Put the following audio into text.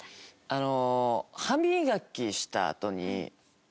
あの。